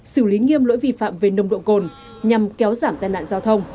xử lý nghiêm lỗi vi phạm về nồng độ cồn nhằm kéo giảm tai nạn giao thông